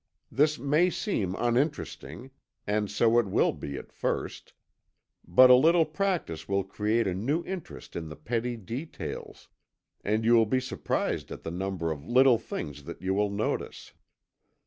This may seem uninteresting and so it will be at first but a little practice will create a new interest in the petty details, and you will be surprised at the number of little things that you will notice.